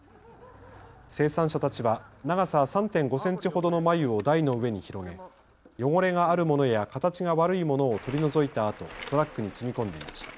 生産者たちは長さ３．５センチほどの繭を台の上に広げ汚れがあるものや形が悪いものを取り除いたあとトラックに積み込んでいました。